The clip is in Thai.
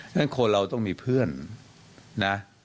ฉะนั้นคนเราต้องมีเพื่อน